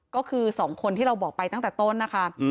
ก็คือ๒คนที่เราบอกไปตั้งแต่ต้นนะคะ